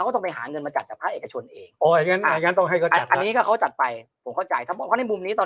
ต้องไปหาเงินจัดจัดชนเขามีตอนนี้ก็จัดไปเพราะมันรู้มี